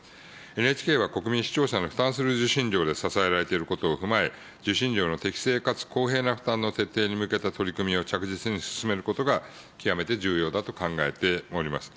ＮＨＫは国民、視聴者の負担する受信料で支えられていることを踏まえ、受信料の適正かつ公平な負担の徹底に向けた取り組みを着実に進めることが極めて重要だと考えております。